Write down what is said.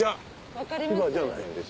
分かります？